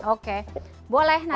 oke boleh nanti